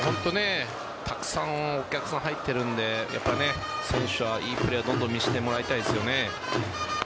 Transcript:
たくさんお客さん入っているので選手は良いプレーをどんどん見せてもらいたいですよね。